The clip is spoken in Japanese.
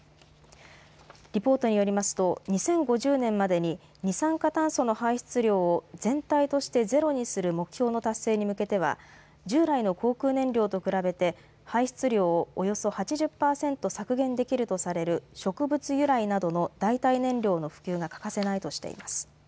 リポートによりますと２０５０年までに二酸化炭素の排出量を全体としてゼロにする目標の達成に向けては従来の航空燃料と比べて排出量をおよそ８０％削減できるとされる植物由来などの代替燃料の普及が欠かせないとしています。